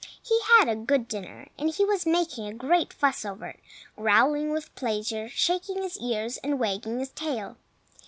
He had a good dinner, and he was making a great fuss over it, growling with pleasure, shaking his ears and wagging his tail.